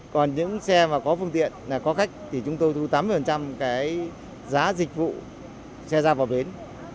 còn những xe mà có phương tiện có khách thì chúng tôi thu tám mươi cái giá dịch vụ xe ra vào bến